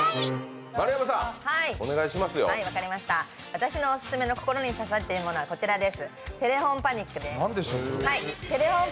私のオススメの心に刺さっているものは「テレフォンパニック」です。